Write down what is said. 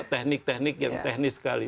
teknik teknik yang teknis sekali